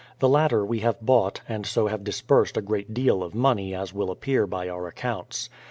The latter we have bought, and so have disbursed a great deal of money as will appear by our accounts.